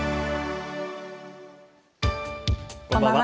こんばんは。